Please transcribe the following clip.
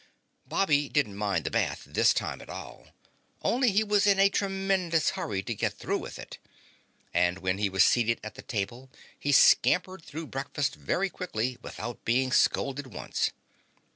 Bobby didn't mind the bath this time at all, only he was in a tremendous hurry to get through with it, and when he was seated at the table he scampered through breakfast very quickly without being scolded once.